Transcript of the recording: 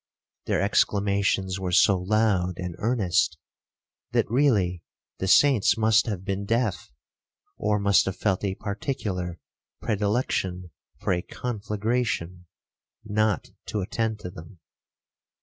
Their exclamations were so loud and earnest, that really the saints must have been deaf, or must have felt a particular predilection for a conflagration, not to attend to them.